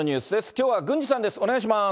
きょうは郡司さんです。